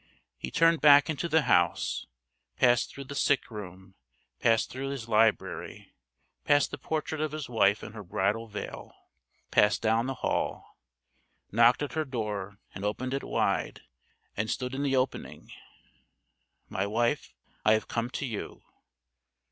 He turned back into the house passed through the sick room passed through his library, passed the portrait of his wife in her bridal veil passed down the hall knocked at her door and opened it wide and stood in the opening: "... My wife, I have come to you...!